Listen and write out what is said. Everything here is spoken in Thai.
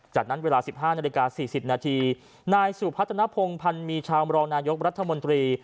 จากนั้นเวลา๑๕นาฬิกา๔๐นาทีนายสุพัฒนภงพันธ์มีชาวมรองนายกรัฐมนตรี